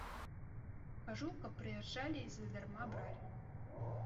Кажу, каб прыязджалі і задарма бралі.